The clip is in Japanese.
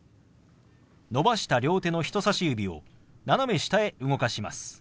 伸ばした両手の人さし指を斜め下へ動かします。